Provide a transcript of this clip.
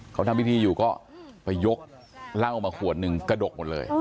เขาทำพิธีอยู่ก็ไปยกเหล้ามาขวดหนึ่งกระดกหมดเลย